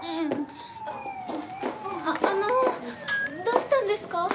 あのどうしたんですか？